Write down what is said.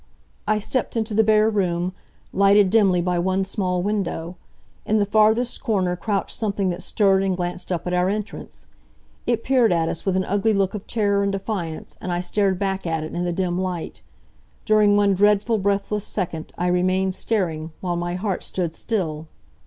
I stepped into the bare room, lighted dimly by one small window. In the farthest corner crouched something that stirred and glanced up at our entrance. It peered at us with an ugly look of terror and defiance, and I stared back at it, in the dim light. During one dreadful, breathless second I remained staring, while my heart stood still.